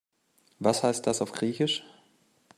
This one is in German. Was heißt das auf Griechisch?